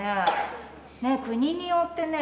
国によってね